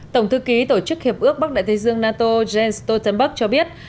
tổng thư ký tổ chức hiệp ước bắc đại tây dương nato jens stoltenberg cho biết